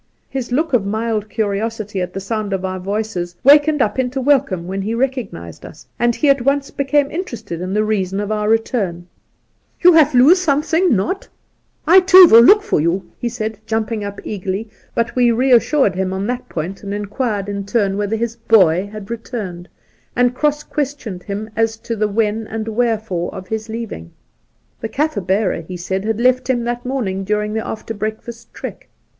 His look of mild curiosity at the sound of our voices wakened up into welcome when he recognised us, and he at once became interested in the reason of our return. 42 Soltke ' You haf lose something — not II, too, will look for you,' he said, jumping up eagerly ; but we reassured him on that point, and inquired in turn whether his 'boy' had returned, and cross ques tioned him as to the when and wherefore of his leaving. The Kaffir bearer, he said, had left him that morning during the after breakfast trek.